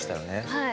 はい。